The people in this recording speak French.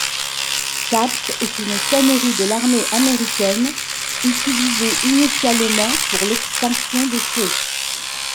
Taps est une sonnerie de l'armée américaine, utilisée initialement pour l'extinction des feux.